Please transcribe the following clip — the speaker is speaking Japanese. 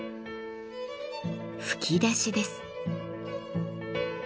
吹き出しです。